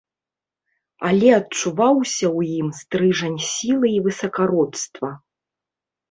Але адчуваўся ў ім стрыжань сілы і высакародства.